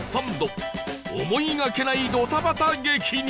思いがけないドタバタ劇に